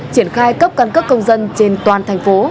triển khai cấp căn cấp công dân trên toàn thành phố